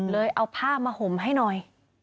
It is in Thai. เอาผ้ามาห่มให้หน่อย